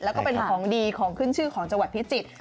แล้วก็เป็นของดีของขึ้นชื่อของจังหวัดพิจิตร